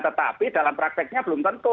tetapi dalam prakteknya belum tentu